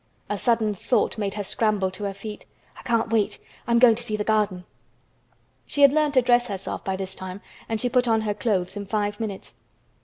A sudden thought made her scramble to her feet. "I can't wait! I am going to see the garden!" She had learned to dress herself by this time and she put on her clothes in five minutes.